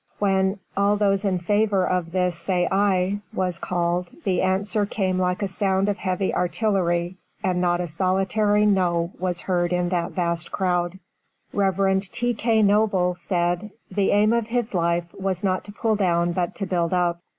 When "All those in favor of this say aye," was called, the answer came like the sound of heavy artillery, and not a solitary 'No' was heard in that vast crowd. Rev. T. K. Noble said, "The aim of his life was not to pull down but to build up.